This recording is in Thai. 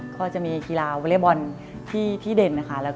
ก็จะมีกีฬาวอเล็กบอลที่เด่นนะคะ